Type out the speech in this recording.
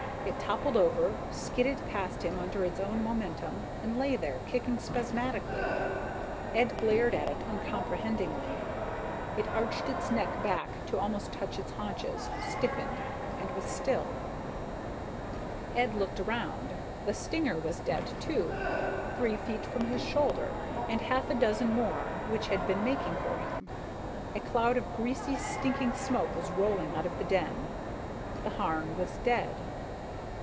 It toppled over, skidded past him under its own momentum, and lay there kicking spasmodically. Ed glared at it uncomprehendingly. It arched its neck back to almost touch its haunches, stiffened, and was still. Ed looked around. The stinger was dead too, three feet from his shoulder, and half a dozen more which had been making for him. A cloud of greasy, stinking smoke was rolling out of the den. The Harn was dead.